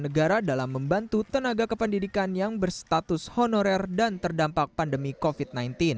negara dalam membantu tenaga kependidikan yang berstatus honorer dan terdampak pandemi covid sembilan belas